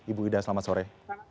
ibu ida selamat sore